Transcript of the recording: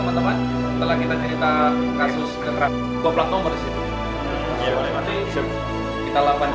pada tanggal dua puluh februari